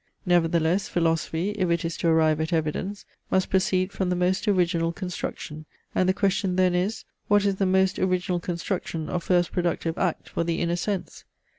Nevertheless, philosophy, if it is to arrive at evidence, must proceed from the most original construction, and the question then is, what is the most original construction or first productive act for the inner sense.